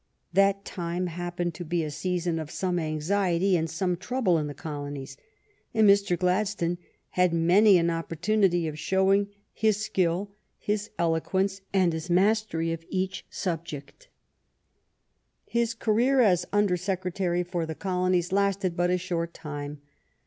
That time happened to be a season of some anxiety and some trouble in the Colonies, and Mr. Gladstone had many an opportunity of showing his skill, his eloquence, and his mastery of each subject. GLADSTONE IN OFFICE 53 His career as Under Secretary for the Colonies lasted but a short time.